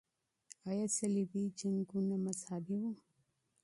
آیا صلیبي جنګونه مذهبي وو؟